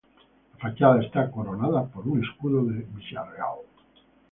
La fachada está coronada por un escudo de Villarreal.